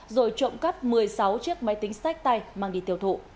rồi trộm cắp một mươi sáu chiếc máy tính sách tay mang đi tiêu thụ